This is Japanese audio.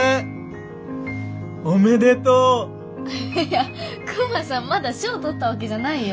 いやクマさんまだ賞取ったわけじゃないよ。